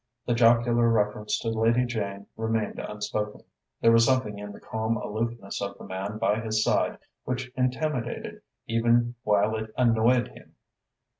The jocular reference to Lady Jane remained unspoken. There was something in the calm aloofness of the man by his side which intimidated even while it annoyed him.